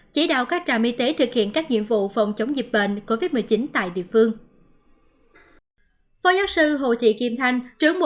chỉ đạo các trạm y tế thực hiện các nhiệm vụ phòng chống dịch bệnh covid một mươi chín tại địa phương